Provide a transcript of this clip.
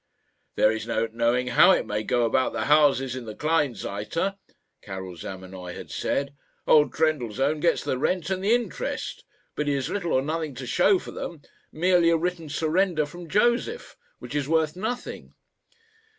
"There is no knowing how it may go about the houses in the Kleinseite," Karil Zamenoy had said. "Old Trendellsohn gets the rent and the interest, but he has little or nothing to show for them merely a written surrender from Josef, which is worth nothing."